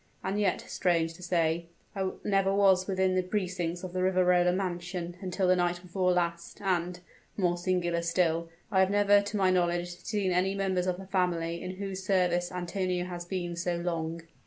And yet, strange to say, I never was within the precincts of the Riverola mansion until the night before last, and more singular still I have never, to my knowledge, seen any members of the family in whose service Antonio has been so long."